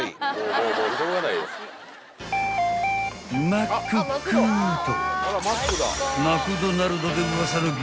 ［マックックと］